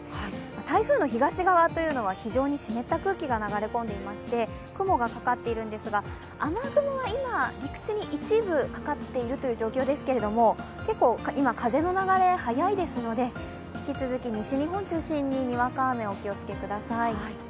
台風の東側というのは非常に湿った空気が流れ込んでいまして、雲がかかっているんですが雨雲は今、陸地に一部かかっているという状況ですけれども結構、今、風の流れが速いですので引き続き、西日本を中心ににわか雨にご注意ください。